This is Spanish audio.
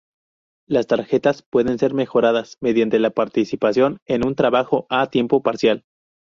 Las tarjetas pueden ser mejoradas mediante la participación en un trabajo a tiempo parcial.